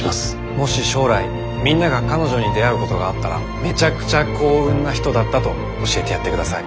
もし将来みんなが彼女に出会うことがあったらめちゃくちゃ幸運なひとだったと教えてやってください。